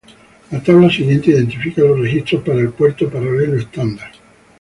La tabla siguiente identifica los registros para el puerto paralelo estándar.